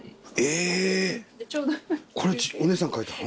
えこれお姉さん描いたの？